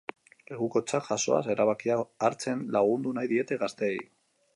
Lekukotzak jasoaz, erabakiak hartzen lagundu nahi diete gazteei.